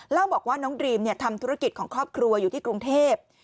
เล่าบอกว่าน้องดรีมทำธุรกิจของครอบครัวอยู่ที่กรุงเทพ